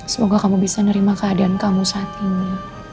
semoga kamu bisa nerima keadaan kamu saat ini